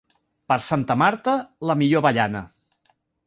Per Santa Marta, la millor avellana.